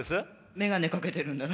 メガネかけてるんだな。